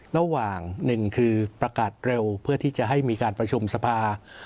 ระหว่างหนึ่งคือประกาศเร็วเพื่อที่จะให้มีการประชุมสภา